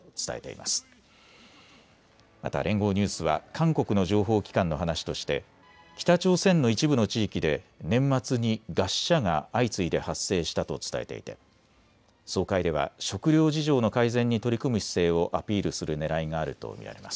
また、連合ニュースは韓国の情報機関の話として北朝鮮の一部の地域で年末に餓死者が相次いで発生したと伝えていて総会では食料事情の改善に取り組む姿勢をアピールするねらいがあると見られます。